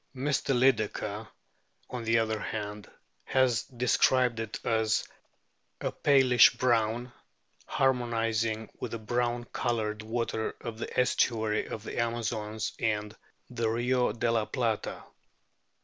Mr. Lyclekker, on the other hand, has described it as a palish brown, harmonising with the brown coloured water of the estuary of the Amazons and the Rio de la Plata.